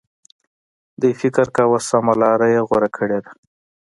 دوی فکر کاوه سمه لار یې غوره کړې ده.